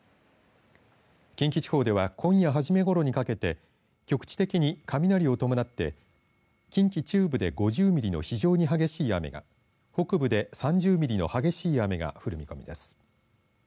近畿地方では今夜初めごろにかけて局地的に雷を伴って近畿中部で５０ミリの非常に激しい雨が北部で３０ミリの激しい雨が降る見込みです。